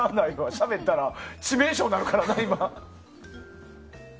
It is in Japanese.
しゃべったら致命傷になるからな。